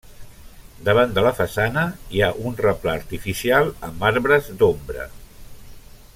Davant de la façana hi ha un replà artificial amb arbres d'ombra.